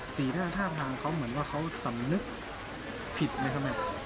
ท่าทางเขาเหมือนว่าเขาสำนึกผิดไหมครับแม่